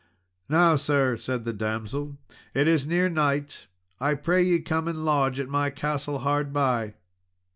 "Now, sir," said the damsel, "it is near night, I pray ye come and lodge at my castle hard by."